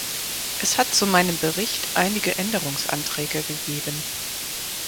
Es hat zu meinem Bericht einige Änderungsanträge gegeben.